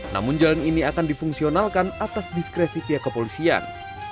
namun jalan ini akan difungsionalkan atas diskresi pihak kepolisian